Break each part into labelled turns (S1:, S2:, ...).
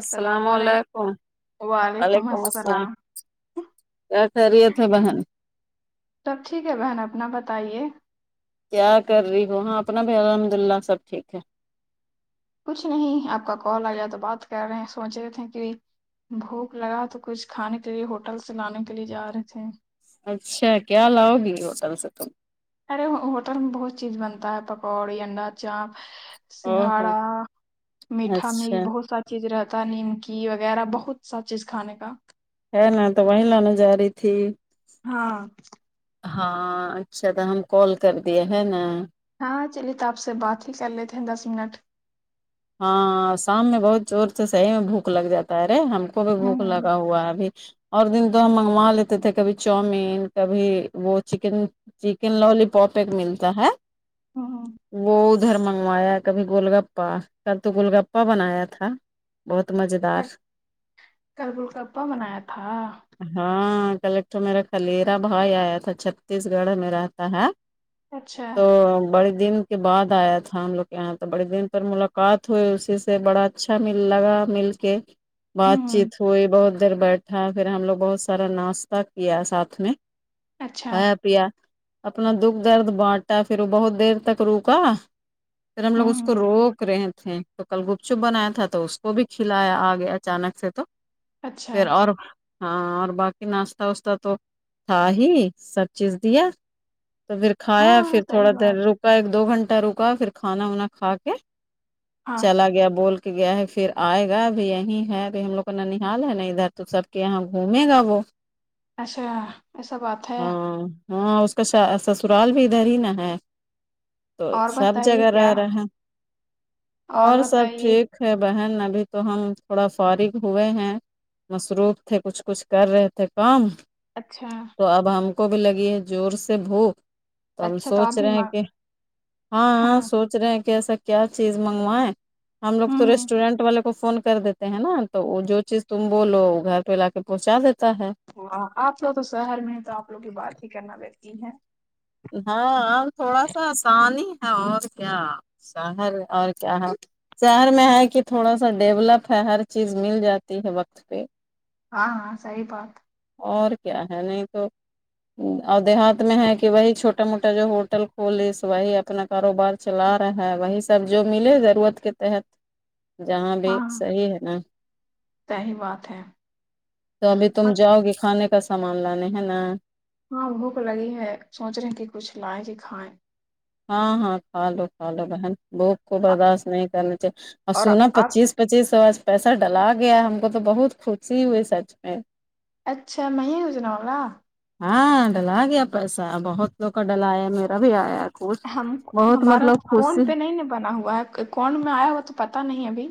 S1: السلام علیکم وعلیکم السلام کیا خیرت ہے بہن
S2: سب ٹھیک ہے بہن اپنا بتائیے
S1: کیا کر رہی ہو ہاں اپنا بھائی الحمد اللہ سب ٹھیک ہے
S2: کچھ نہیں آپ کا کال آیا تو بات کر رہے ہیں سوچ رہے تھے کہ بھوک لگا تو کچھ کھانے کے لیے ہوٹل سے لانے کے لیے جا رہے تھے
S1: اچھا کیا لاؤ گی ہوٹل سے تم
S2: ارے ھو ہوٹل میں بہت چیز بنتا ہے پکوڑی انڈا جام
S1: او ہو
S2: سنگھاڑا میٹھا میری
S1: اچھا
S2: بہت سار چیز رہتا ہے نیمکی وغیرہ بہت سا چیز کھانے کا
S1: ہے نا تو وہیں لانے جا رہی تھی
S2: ہاں
S1: ہاں اچھا تو ہم کال کر دییے ہے نا
S2: ہاں چلیے تو آپ سے بات ہی کر لیتے ہیں دس منٹ
S1: ہاں شام میں بہت زور سے صحیح میں بھوک لگ جاتا ہے رے ہم کو بھی
S2: ہوں
S1: بھوک لگا ہوا ہے ابھی اور دن تو ہم منگوا لیتے تھے کبھی چاؤومین کبھی وہ چکن چکن لولی پاپ ایک ملتا ہے
S2: ہاں
S1: وہ ادھر منگوایا کبھی گول گپا کل تو گول گپا بنایا تھا بہت مزے دار
S2: کل وہ کپپا بنایا تھا
S1: ہاں کلیکٹر میرا کلیرا بھائی آیا تھا چھتیس گڑھ میں رہتا ہے
S2: اچھا
S1: تو بڑے دن کے بعد آیا تھا ہم لوگ کے یہاں تو بڑے دن پر ملاق بات ہوئے اسی سے بڑا اچھا مل لگا مل کے بات
S2: ہوں
S1: چیت ہوئی بہت دیر بیٹھا پھر ہم لوگ بہت سارا ناشتہ کیا ساتھ میں
S2: اچھا
S1: کھایا پیا اپنا دکھ درد بانٹا پھر وہ بہت دیر تک روکا پھر ہم لوگ اس کو
S2: ہوں
S1: روک رک رہے تھے تو کل گپ چپ بنایا تھا تو اس کو بھی کھلایا آگے اچانک سے تو
S2: اچھا
S1: پھر اور ہاں اور باقی ناشتہ واشتہ تو تھا ہی سب چیز دیا تو پھر کھایا
S2: ہاں
S1: پھر
S2: صحیح
S1: تھوڑا دیر
S2: بات
S1: رکا ایک دو گھنٹہ رکا پھر کھانا وانا کھا کے
S2: ہاں
S1: چلا گیا بول کہ گیا ہے پھر آئے گا اب یہیں ہے اب ہم لوگ کا ننحال ہے نا ادھر تو سب کے یہاں گھومے گا وہ
S2: اشا ایسا بات ہے
S1: ہاں ہاں اس کا سسرال بھی ادھر ہی نہا ہے تو
S2: اور
S1: سب
S2: بتائیے
S1: جگہ
S2: کیا
S1: رہ رہا ہے اور سب ٹھیک ہے بہن ابھی تو ہم تھوڑا فارغ ہوئے ہیں مصروف تھے کچھ کچھ کر رہے تھے کام
S2: اچھا
S1: تو اب ہم کو بھی لگی ہے زور سے بھوک تو ہم
S2: اچھا آپ
S1: سوچ
S2: بھی
S1: رہے ہیں
S2: ماں
S1: کہ
S2: ہاں
S1: ہاںاں سوچ چ رہے ہیں کہ ایسا کیا چیز منگوائیں ہم لوگ تو
S2: ہوں
S1: ریسٹورینٹ والے کو فون کر دیتے ہیں نا تو وہ جو چیز تم بولو وہ گھر پہ لا کے پہنچا دیتا ہے
S2: ہاں آپ کا تو شہر میں تو آپ لوگ کی بات ہی کرنا بقین ہے
S1: ہاں تھوڑا سا آسانی ہی ہے اور کیا شہر اور کیا ہے شہر میں ہے کہ تھوڑا سا ڈیولپ ہے ہر چیز مل جاتی ہے وقت پہ
S2: ہاں ہاں سی بات
S1: اور کیا ہے نہیں تو اور دیہات میں ہے کہ وہی چھوٹا موٹا جو ہوٹل کھولس وہی اپنا کاروبار چلا رہا ہے وہی سب جو ملے ضرورت کے تحت جہاں بھی صحیح ہے نا
S2: صحی بات ہے
S1: تو ابھی تم
S2: ہاں
S1: جاؤ گی کھانے کا سامان لانے ہے نا
S2: ہاں بھوک لگی ہے سوچ رہے ہیں کہ کچھ لائے کہ کھائیں
S1: ہاں ہاں کھا لو کھا لو بہن بھوک کو
S2: آ-
S1: برداشت نہیں کرنی چاہیے اور سونا پچیس پچیس سوس پیسہ ڈلا گیا ہم کو تو بہت خوشی ہوئی سچ میں
S2: اچھا میںیں گجنا والگا
S1: ہاں ڈلا گیا پیسہ بہت لوگ کا ڈلایا میرا بھی آیا کچھ
S2: ہم
S1: بہت
S2: ہمارا
S1: مطلب
S2: فون
S1: خوشی
S2: پہ نہیں ن بنا ہوا ہے کوون میں آیا ہوا تو پتا نہیں ابھی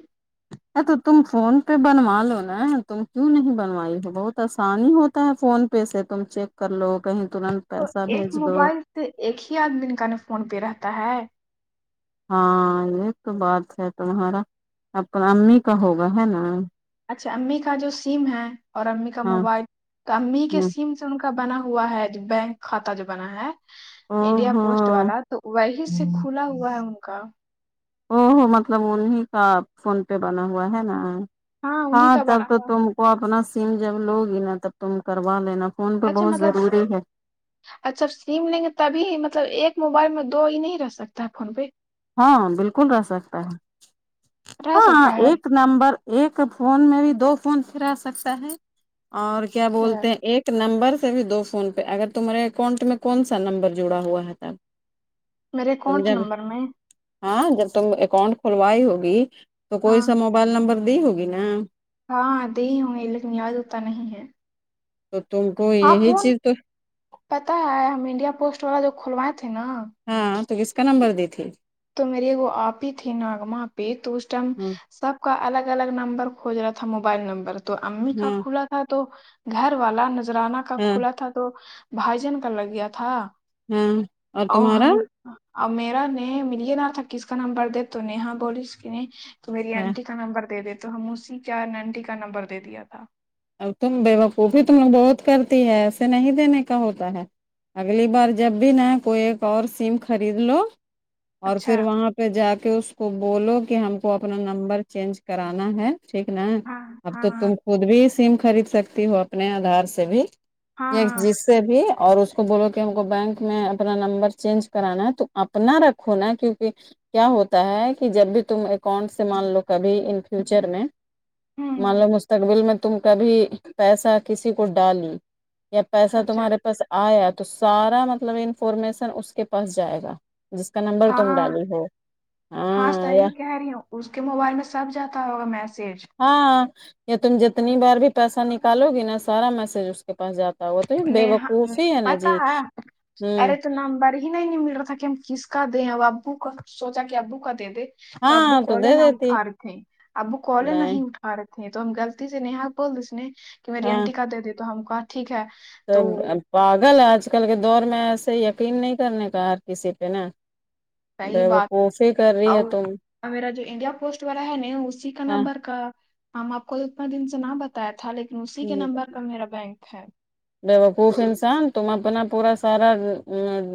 S1: ا تو تم فون پہ بنوا لو نا تم کیوں نہیں بنوائی ہو بہت آسانی ہوتا ہے فون پہ پی سے تم چیک کر لو کہیں ترنت
S2: تو
S1: پیسہ
S2: ایک
S1: بھیج دو
S2: موبائل سے ایک ہی آدمی نک ن فون پہ رہتا ہے
S1: ہاں یہ تو بات ہے تمہارا اپنا امی کا ہوگا ہے نا
S2: اچھا امی کا جو سم ہے اور امی کا
S1: ہاں
S2: موبائل تو امی کے
S1: ہ
S2: سم ان کا بنا ہوا ہے بینک کھاتہ جو بنا ہے
S1: او
S2: انڈیا
S1: ہو
S2: پوسٹ والا تو وہی سے کھلا ہوا ہے ان کا
S1: او ہو مطلب انیں کا فون پہ بنا ہوا ہے نا
S2: انہیں
S1: ہاں
S2: کا
S1: چب
S2: بنا
S1: تو
S2: ہوا
S1: تم وہ اپنا سم جب لوگی نا تب تم کروا لینا فون پہ
S2: اچھا
S1: بہت
S2: مطلب
S1: ضروری ہے
S2: اچھا سم لیں گے تبھی مطلب ایک موبائل میں دو ہی نہیں رہ سکتا ہے فون پہ
S1: ہاں بالکل رہ سکتا ہے
S2: رہ
S1: ہاں
S2: سکتا ہے
S1: ایک نمبر ایک فون میں بھی دو فون پھرا سکتا ہے اور کیا
S2: اچھا
S1: بولتے ہیں ایک نمبر سے بھی دو فون پہ اگر تمہارے اکاؤنٹ میں کون سا نمبر جڑا ہوا ہے تب
S2: میرے
S1: تم
S2: اکاؤنٹ
S1: جب
S2: نمبر میں
S1: ہاں جب تم اکاؤنٹ کھلوائی ہوگی تو کوئی
S2: ہاں
S1: سا موبائل نمبر دی ہوگی نا
S2: ہاں د ہی ہوں گے لیکن یاد ہوتا نہیں ہے
S1: تو تم کو
S2: ہاں
S1: یہی
S2: فون
S1: چیز تو
S2: پتا ہے ہم انڈیا پوسٹ والا جو کھلوائے تھے نا
S1: ہاں تو کس کا نمبر دی تھی
S2: تو میرے وہ آپ ہی تھے ناگما پہ تو اس ٹائم
S1: ہاں
S2: سب کا الگ الگ نمبر کھج رہا تھا موبائل نمبر تو امی کا
S1: ہاں
S2: کھلا تھا تو گھر والا نذرانہ کا
S1: ہاں
S2: کھلا تھا تو بھائیجن کا لگ گیا تھا
S1: ہاں اور
S2: ا
S1: تمہارا
S2: ہم میرا نہیں میل نہ تھا کس کا نمبر د تو ن ہا بولی اس تو میری
S1: ہاں،
S2: آنٹی کا نمبر دے دیتا تو ہم اسی کیا نینٹی کا نمبر دے دیا تھا
S1: اب تم بےوقوفی تموگ بہت کرتی ہے ایسے نہیں دینے کا ہوتا ہے اگلی بار جب بھی نہا کوئی ایک اور سیم خرید لو اور
S2: اچھا
S1: پھر وہاں پہ جا کے اس کو بولو کہ ہم کو اپنا نمبر چینج کرانا ہے ٹھیک نا
S2: ہاں
S1: اب
S2: ہاں
S1: تو
S2: ہاں
S1: تم خود بھی سم خرید سکتی ہو اپنے آدھار سے بھی
S2: ہاں
S1: ایک
S2: ہاں
S1: جیس سے بھی اور اس کو بولو کہ ہم کو بینک میں اپنا نمبر چینج کرانا ہے تو اپنا رکھو نا کیونک کیا ہوتا ہے کہ جب بھی تم اکاؤنٹ سے مان لو کبھی ان فیوچر میں
S2: ہوں
S1: مان
S2: ہوں
S1: لو مستقبل میں تم کبھی پیسہ کسی کو ڈالی یا پیسا
S2: اچھا
S1: تمہارے پاس آیا تو سارا مطلب انفارمیشن اس کے پاس جائے گا جس کا نمبر تم
S2: ہاں
S1: ڈالی ہو ہاں یا
S2: صحیح کہہ رہی ہوں اس کے موبائل میں سب جاتا ہوگا میسج
S1: ہاں ہاں تم جتنی بار بھی پیسہ نکالو گی نا سارا میسج کے پاس جاتا ہو تو بےوقوف ہی ہے نا جی ہوں
S2: نومبر ہی نہیں نہیں مل رہا تھا کہ ہم کس کا دیں اور ابو کا سوچا کہ ابو کا دے دیں تو ابو
S1: ہاں
S2: کال
S1: دے
S2: نہ
S1: دیتی
S2: اٹھار تھیں ابو کال نہیں اٹا بارت نہیں تو ہم غلطی سے نا بول دیس نے کہ میری
S1: ہاں
S2: اننٹی کا دے دی تو ہم کہا ٹھیک ہے
S1: تو پاگل آج کل کے دور میں ایسے یقین نہیں کرنے کا کسی پہ نا ا وہ کوفی
S2: اور میرا جو انڈیا پوسٹ والا ہے نے اسی کا
S1: ہاں
S2: نمبر کا ہم آپ کو تو اتنا دن سے نہ بتایا تھا لیکن اسی کے نمبر کا میرا بینک ہے
S1: بیوقوف انسان تم اپنا پورا سارا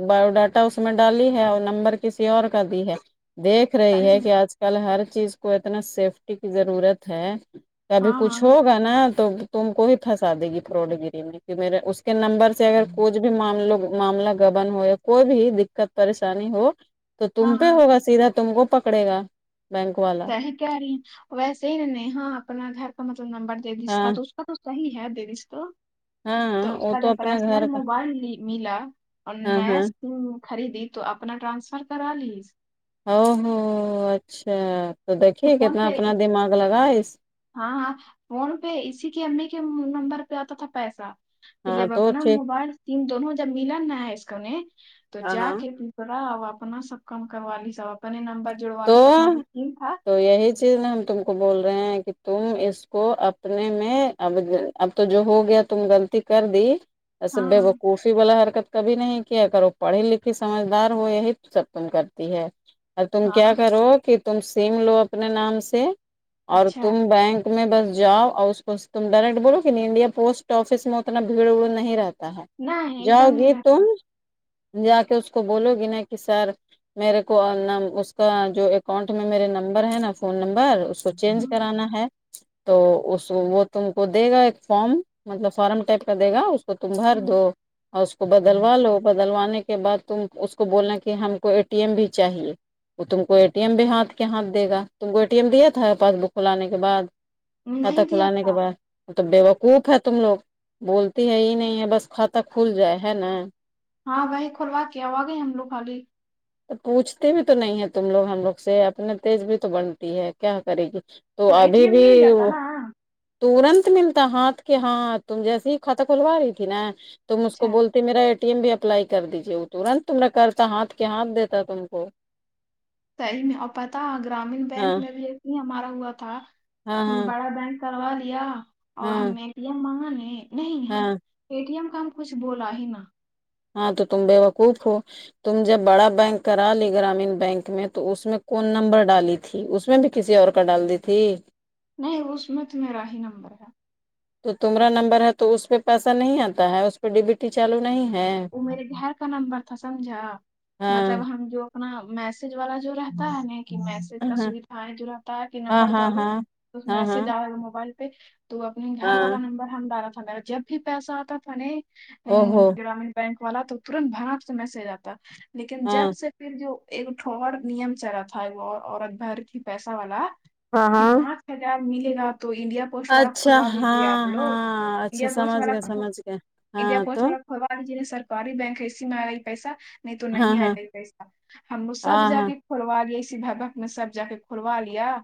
S1: بایو ڈاٹا اس میں ڈالی ہے اور نمبر کسی اور کا دی ہے دیکھ د رہی ہے کہ آج کل ہر چیز کو اتنا سیفٹی کی ضرورت ہے ابھی کچھ ہو نا تو تم کو بھی پھنسا دےی فوڈ گیری میں کی میرے اس کے نمبر سے اگر کوھ بھی معاملہ گبن ہو یا کوئی بھی دقت پریشانی ہو تو تم پہ ہوگا سیدھا تم کو پکڑے گا بینک والا
S2: کہہ رہی ہیں ویسے ہی نے ہاں اپنا گھر کا مطلب نمبر دے دیس
S1: ہاں
S2: اس کا تو صحی ہے دینس تو
S1: ہاں
S2: تو
S1: ہاں
S2: اس
S1: وہ
S2: کا جو
S1: اپنے
S2: فرسنل
S1: گھر کا
S2: موبائل ملا اور
S1: ہاں
S2: نیا
S1: ہاں
S2: خریدی تو اپنا ٹرانسفر کرا لی
S1: ا ہو اچھا تو دیکھیے
S2: فون
S1: کتنا
S2: پہ
S1: اپنا
S2: اس-
S1: دماغ لگا اس
S2: ہاں ہاں فون پہ اسی کی امی کے نمبر پہ آتا تھا پیسہ پھر
S1: ہاں
S2: جب
S1: تو
S2: اپنا
S1: ٹھیک
S2: موبائل تین دونوں جب مل نہ ہے اس کو نے تو
S1: ہاں
S2: جا
S1: ہاں
S2: کے پا اب اپنا سب کم کروا لی سب اپنے نمبر جڑوا
S1: تو
S2: لی سب اپنا توم تھا
S1: تو یہی چیز ہم تم کو بول رہے ہیں کہ تم اس کو اپنے میں اب اب تو جو ہو گیا تم غلطی کر دی ایسے
S2: ہاں ہاں
S1: بےوقوفی والا حرکت کبھی نہیں کیا کرو پڑھی لکھی سمجھدار ہو ہی تو سب تم کرتی ہے ا کیا
S2: ہاں
S1: کرو کہ تم سم لو اپنے نام سے اور
S2: اچھا ہے
S1: تم بینک تمہیں بس جا اور اسس بس تم ڈائریکٹ بولو کہ نہیں انڈیا پوسٹ آفس میں اتنا بھیڑ وڑ نہیں رہتا ہے
S2: نہ ایک
S1: جاؤ
S2: دم نہیں
S1: گی
S2: رہتا
S1: تم جا کے اس کو بولو گی نا کہ سر میرے کو اور نا اس کا جو اکاؤنٹ میں میرے نمبر ہے نا فون نمبر اس کو چینج
S2: ہوں
S1: کرانا ہے تو اس وہ تم کو دے گا ایک فارم مطلب فارم ٹائپ کا دے گا اس تو تم بھر
S2: ہوں
S1: دو اور اس کو بدلوا لو بدلوانے کے کے بعد تم اس کو بولنا کہ ہم کو اے ٹی ایم بھی چاہیے وہ تم کو اے ٹی ایم بھی ہاتھ کے ہاتھ دے گا تم کو اے ٹی ایم دیا تھا پاس بک کھولانے کے بعد کھاتہ
S2: نہیں دیا
S1: کھلانے کے
S2: تھا
S1: بعد وہ تو بےوقوف ہے تم لوگ بولتی ہے یہ نہیں ہے بس کھاتا کھل جائے ہے نا
S2: ہاں بھائی کلوا کے آو گئے ہم لگ خالی
S1: پوچھتے بھی تو نہیں ہے تم لوگ ہم لوگ سے اپنے تیز بھی تو بنتی ہے کیا کرے گی تو
S2: اے ٹی
S1: ابھی
S2: ایم
S1: بھی
S2: مل جاتا نا
S1: ترنت ملتا ہاتھ کے ہاتھ تم جیسیے ہی کھاتہ کھلوا رہی تھی نا تم اس کو
S2: اچھا
S1: بولتا میراے ٹی ایم بھی اپلائی کر دیجیے وہ ترنت تما کرتا ہاتھ کہاں دیتا ہے تم کو
S2: صحی میں اور پتا گرامین بینک
S1: ہاں
S2: میں بھی ای ہی ہمارا ہوا تھا
S1: ہاں
S2: ہم
S1: ہاں
S2: بڑا بینک کروا لیا اور
S1: ہاں
S2: ہم اے ٹی ایم مانگا نے نہیں ہاں پے ٹی ایم کا ہم کچھ بولا ہی نا
S1: ہاں تو تم بےوقوف ہو تم جب بڑا بینک کرا لی گرامین بینک میں تو اس میں کون نمبر ڈالی تھی تھی اس میں بھی کسی اور کا ڈال دیتی
S2: نہیں اس میں تو میرا ہی نمبر ہے
S1: تو تمہرا نمبر ہے تو اس پہ پیسہ نہیں آتا ہے اس پہ ڈی بی ٹی چالو نہیں ہے
S2: وہ میرے گھر کا نمبر تھا سمجھا مطلب
S1: ہاں
S2: ہم جو اپنا میسج والا جو رہتا ہے نہ میسج کا
S1: ہاں
S2: سودھا ہے جو رہتا ہے کہ
S1: ہاں
S2: نمبر
S1: ہاں
S2: ڈالو
S1: ہاں ہاں ہاں
S2: میسج آئے موبائل پہ تو اپنے گھر
S1: ہاں
S2: والا نمبر ہم ڈالا تھا میرا جب بھی پیسہ آتا تھا نہ
S1: او ہو
S2: گرامین بینک والا تو ترنت بھاگ سے میسج آتا لیکن
S1: ہاں
S2: جب سے پھر جو ایکٹھور نیم چلا تھا ایک عورت بھر کی پیسہ والا
S1: ہاں
S2: کہ
S1: ہاں
S2: پانچ ہزار ملے گا تو انڈیا پوسٹ والا
S1: اچھا
S2: کھولوا دیجیے آپ
S1: ہاں
S2: لوگ
S1: ہاں اچھا
S2: انڈیا پوسٹ
S1: سمجھ
S2: والا
S1: گئے سمجھ گئے
S2: انڈیا
S1: ہاں
S2: پوسٹ
S1: تو
S2: والا بواری جو یہ سرکاری بینک ہے ا سی میں ائی پیسہ نہیں تو
S1: ہاں
S2: نہیں آئے
S1: ہاں
S2: گا پیسہ ہم سب
S1: ہاں
S2: جا
S1: ہاں
S2: کے کھلوالیا اسی بھاتک میں سب جا کےکھلوالیا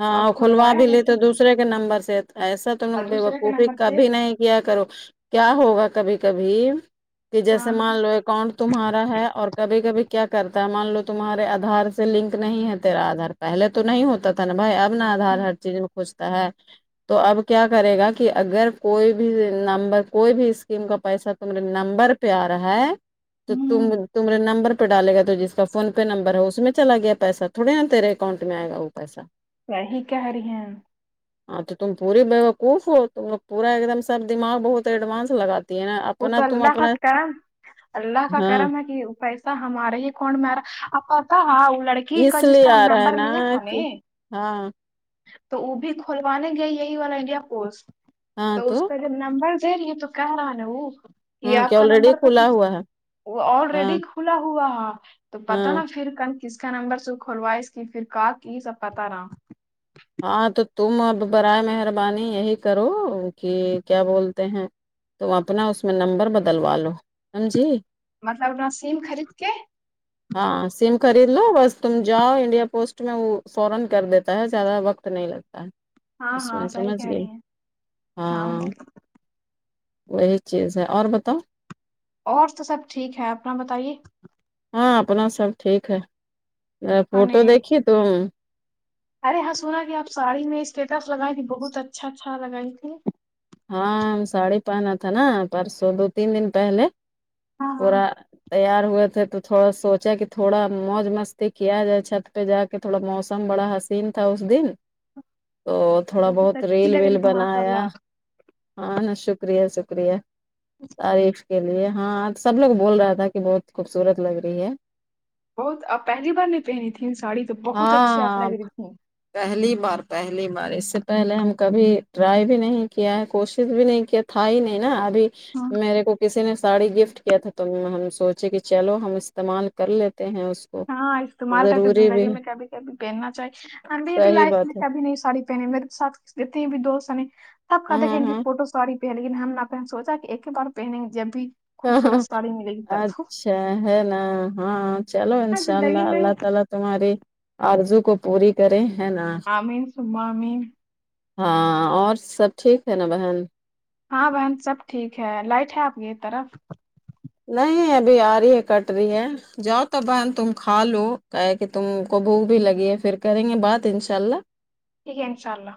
S1: ہاں کھلوا بھی لیتے دوسرے کے نمبر سے ایسا تو بےوقوفی کبھی نہیں کیا کرو کیا ہوگا کبھی کبھی کہ جیسے مان لو اکاؤنٹ تمہارا ہے اور کبھی کبھی کیا کرتا ہے مان لو تمہارے آدھار سے لنک نہیں ہے تیرا آدھار پہلے تو نہیں ہوتا تھا نا اب بھائی اپنا آدھار ہر چیز میں پوچھتا ہے تو اب کیا کرے گا کہ اگر کوئی بھی نمبر کوئی بھی اسکیم کا پیسہ تمیرے نمبر پہ آ رہا ہے تو تمہیرے نمبر پہ ڈالے گا تو جس کا فون پے پے نمبر ہے اس میں چلا گیا پیسا تھوڑے یہاں تیرے اکاؤنٹ میں آئے گ وہ پیسہ
S2: وہی کہہ رہی ہیں
S1: ہاں تو تم پوری بیوقوف ہو تو پورا ایک دم سب دماغ بہت ایڈوانس لگاتے
S2: وہ تو اللہ کا کرم اللہ کا
S1: ہاں
S2: کرم ہے کہ پیس ہمارے ہی اکاؤنٹ می ایا اور پتہ ہے وہ لڑکی کی کا
S1: اس
S2: جس
S1: لیے
S2: کا ہم
S1: آ رہا ہے
S2: نمبر لیا
S1: نا
S2: تھا نہ
S1: کہ ہاں
S2: تو وہ بھی کھولوانے گئے یہی والا انڈیا پوسٹ تو اس کا نمبڑ دے رہی ہے تو کہ رہا نا وہ یہ
S1: ہاں
S2: آپ
S1: کہ
S2: کا
S1: آلریڈی
S2: نمبر تو
S1: کھلا
S2: کس
S1: ہوا ہے
S2: وہ آل
S1: ہاں
S2: ریڈی کھلا ہوا تو پتا
S1: ہاں
S2: نا پھر کن کس کا نمبر سے کھلواںی اس کی فرکا کی سب بتانا
S1: ہاں تو تم اب برائے مہربانی یہی کرو کہ کیا بولتے ہیں تم اپنا اس میں نمبر بدلوا لو سمجھی
S2: مطلب اپنا سیم خرید کے
S1: ہاں سم خرید لو بس تم جاو انڈیا پوسٹ میں وہ فورا کر دیتا ہے زیادہ وقت نہیں لگتا
S2: ہاں
S1: اس
S2: ہاں
S1: میں
S2: صحیح
S1: سمجھ
S2: کہہ رہی
S1: گئے
S2: ہیں
S1: ہاں وہی چیز ہے اور بتاؤ
S2: اور تو سب ٹھیک ہے اپنا بتائیے
S1: ہاں اپنا سب ٹھیک ہے
S2: ہاں
S1: فوٹو
S2: نہیں
S1: دیکھی تم
S2: ارے ہاں سنا کہ آپ ساڑی میں اسٹیٹس لگائی تھی بہت اچھا اچھا لگائی تھی
S1: ہاں ساڑی پہنا تھا نا پرسوں دو تین دن پہلے
S2: ہاں ہاں
S1: پورا تیار ہوئے تھے تو تھوڑا سوچا کہ تھوڑا موج مستی کیا جائے چھت پہ جا کے کہ تھوڑا موسم بڑا حسین تھا اس دن تو تھوڑا بہت
S2: اچھی
S1: ریل
S2: لگ
S1: ویل
S2: رہی تھی ماشاء
S1: بنایا
S2: اللہ
S1: ہاں شکریہ شکریہ تعریف کے لیے ہاں سب لوگ بول رہا تھا کہ بہت خوبصورت لگ رہی ہے
S2: بہت آپ پہلی بار نہیں پہنی تھی ساڑی تو بہت اچھی آپ
S1: ہاں
S2: لگ رہی تھی
S1: پہلی بار پہلی بار اس سے پہلے ہم کبھی ٹرائی بھی نہیں کیا ہے کوشش بھی نہیں کیا تھا ہی نہیں نا آج میرے کو کسی نے ساڑی گفٹ کیا تھا تو ہم سوچے کہ چلو ہم استعمال کر لیتے ہیں اس کو
S2: ہاں استعمال کر کے
S1: ضروری
S2: زندگی
S1: بھی
S2: میں کبھی کبھی پہننا چاہیے اور ہم نے بھی کبھی
S1: صحیح
S2: لائف میں
S1: بات ہے
S2: کبھی نہیں ساڑی میرے ساتھ جتنے بھی دوست ہیں نی سب کہتے ہیں
S1: ہاں
S2: ان کی
S1: ہاں
S2: فوٹوز ساڑی پہنے لیکن ہم نے پہ سوچا کہ ایک ہی بار پہنیں گے جب بھی
S1: ہاں ہاں،
S2: خوبصورت ساڑی ملے گی تب
S1: اچھا ہے نا ہاں چلو ان
S2: ہاں
S1: شاء
S2: زندگی
S1: اللہ
S2: میں
S1: اللہ تعالی تمہاری آرزو کو پوری کرے ہے نا
S2: آمین سم آمین
S1: ہاں اور سب ٹھیک ہے نا بہن
S2: ہاں بہن سب ٹھیک ہے لائٹ ہے آپ کی طرف
S1: نہیں ابھی آ رہی ہے کٹ رہی ہے جاؤ تو بہن تم کھا لو کہ تم کو بھوک بھی لگی ہے پھر کریں گے بات انشاء اللہ
S2: ٹھیک ہے انشاء اللہ